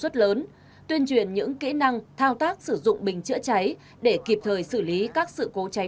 một buổi tuyên truyền về an toàn phòng cháy của phòng cảnh sát phòng cháy